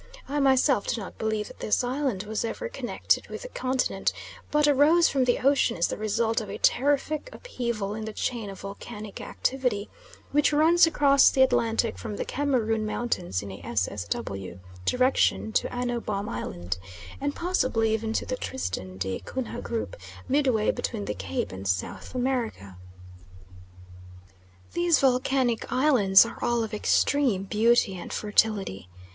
I myself do not believe that this island was ever connected with the continent, but arose from the ocean as the result of a terrific upheaval in the chain of volcanic activity which runs across the Atlantic from the Cameroon Mountains in a SSW. direction to Anno Bom island, and possibly even to the Tristan da Cunha group midway between the Cape and South America. These volcanic islands are all of extreme beauty and fertility.